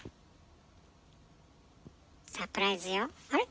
サプライズよあれ？